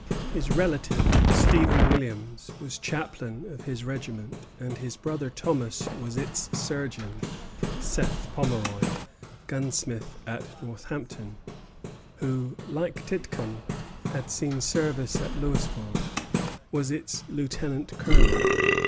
His relative, Stephen Williams, was chaplain of his regiment, and his brother Thomas was its surgeon. Seth Pomeroy, gunsmith at Northampton, who, like Titcomb, had seen service at Louisbourg, was its lieutenant colonel.